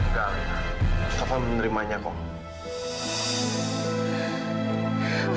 nggak taufan menerimanya kok